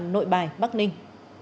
nội bài bắc ninh